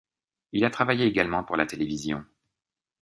Il a travaillé également pour la télévision.